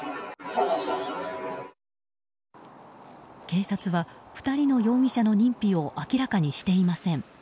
警察は２人の容疑者の認否を明らかにしていません。